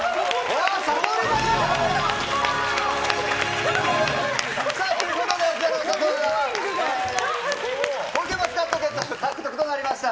あー！ということで、ｚｅｒｏは高級マスカット、獲得となりました。